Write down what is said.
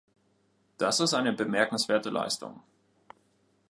Das ist eine bemerkenswerte Leistung.